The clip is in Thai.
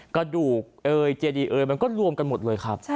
กระดูกเอยเจดีเอยมันก็รวมกันหมดเลยครับ